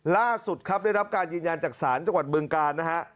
ล่าสุดครับได้รับการยืนยันจากศาลจังหวัดบึงกาลนะฮะ